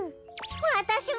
わたしも！